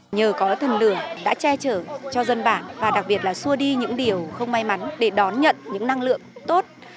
nhờ có thần lửa đã che chở cho dân bản và đặc biệt là xua đi những điều không may mắn để đón nhận những năng lượng tốt